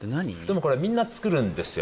でもこれはみんな作るんですよ